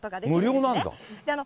無料なんだ？